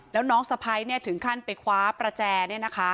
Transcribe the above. แล้วน้องสะพ้ายเนี่ยถึงขั้นไปคว้าประแจเนี่ยนะคะ